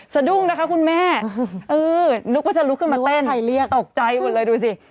สะดุ้งนะคะคุณแม่เออนึกว่าจะลุกขึ้นมาเต้นตกใจหมดเลยดูสิ